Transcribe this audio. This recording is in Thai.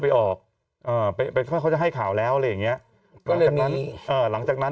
ไปออกไปเขาจะให้ข่าวแล้วอะไรอย่างนี้ก็เลยมีหลังจากนั้น